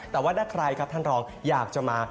แต่ว่าถ้าใครครับท่านรองอยากจะมา